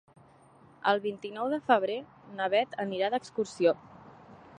El vint-i-nou de febrer na Bet anirà d'excursió.